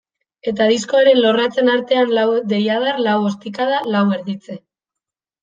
Eta diskoaren lorratzen artean lau deiadar, lau ostikada, lau erditze.